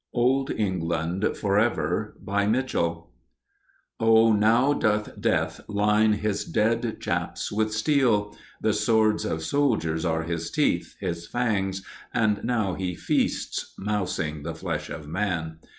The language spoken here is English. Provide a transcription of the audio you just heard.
OLD ENGLAND FOR EVER BY MITCHELL Oh, now doth Death line his dead chaps with steel, The swords of soldiers are his teeth, his fangs, And now he feasts, mousing the flesh of man!